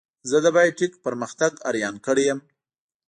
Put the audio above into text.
زه د بایو ټیک پرمختګ حیران کړی یم.